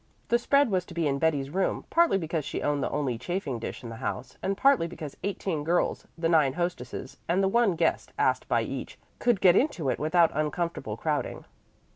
The spread was to be in Betty's room, partly because she owned the only chafing dish in the house, and partly because eighteen girls the nine hostesses and the one guest asked by each could get into it without uncomfortable crowding.